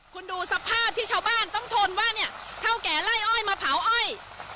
คุณดูสภาพที่ชาวบ้านต้องทนว่าเนี่ยเท่าแก่ไล่อ้อยมาเผาอ้อย